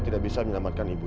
terima kasih ibu